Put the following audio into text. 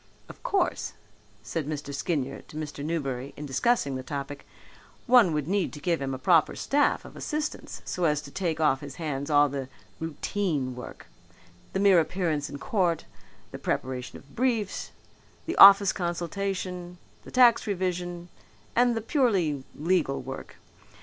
"Of course," said Mr. Skinyer to Mr. Newberry in discussing the topic, "one would need to give him a proper staff of assistants so as to take off his hands all the routine work the mere appearance in court, the preparation of briefs, the office consultation, the tax revision and the purely legal work.